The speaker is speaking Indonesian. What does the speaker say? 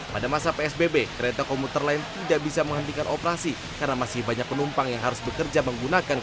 pada masa psbb kereta komuter lain tidak bisa menghentikan operasi karena masih banyak penumpang yang harus bekerja menggunakan